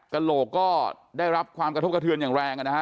กระโหลกก็ได้รับความกระทบกระเทือนอย่างแรงนะฮะ